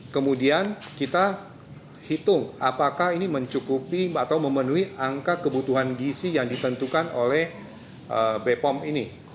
kemudian kita hitung apakah ini mencukupi atau memenuhi angka kebutuhan gisi yang ditentukan oleh bepom ini